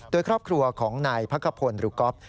โดยครอบครัวของนายพักขพลหรือก๊อฟ